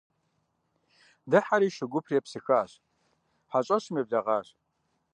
Дыхьэри шу гупыр епсыхащ, хьэщӀэщым еблэгъащ.